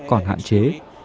còn hạn chế